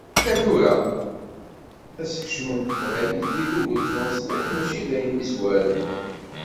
Akka tura, asekcem n teqbaylit deg Google Translate mačči d ayen yezwaren.